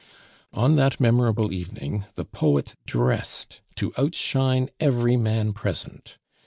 On that memorable evening the poet dressed to outshine every man present.